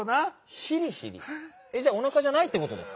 「ひりひり」？じゃおなかじゃないってことですか？